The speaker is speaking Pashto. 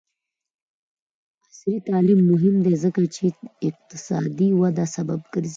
عصري تعلیم مهم دی ځکه چې اقتصادي وده سبب ګرځي.